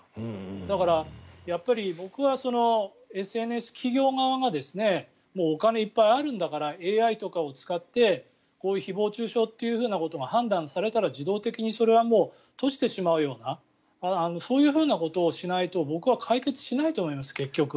だから、やっぱり僕はＳＮＳ企業側がお金、いっぱいあるんだからＡＩとかを使ってこういう誹謗・中傷ということが判断されたら自動的にそれはもう閉じてしまうようなそういうふうなことをしないと僕は解決しないと思います。